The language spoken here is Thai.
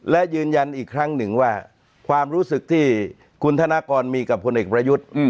และยืนยันอีกครั้งหนึ่งว่าความรู้สึกที่คุณธนกรมีกับพลเอกประยุทธ์